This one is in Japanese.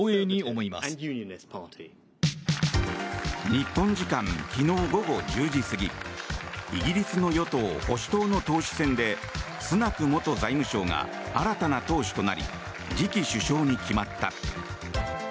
日本時間昨日午後１０時過ぎイギリスの与党・保守党の党首選でスナク元財務相が新たな党首となり次期首相に決まった。